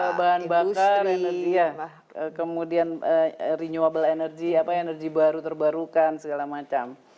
iya bahan bakar kemudian renewable energy apa ya energi baru terbarukan segala macam